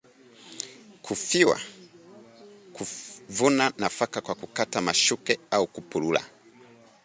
Kufyua - Vuna nafaka kwa kukata mashuke au kupurura